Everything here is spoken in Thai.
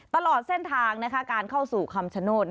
ตลอดเส้นทางนะคะการเข้าขมศึกคำชโนธ์